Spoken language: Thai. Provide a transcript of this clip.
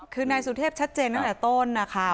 คือนายสุเทพชัดเจนตั้งแต่ต้นนะคะ